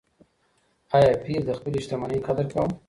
ایا پییر د خپلې شتمنۍ قدر کاوه؟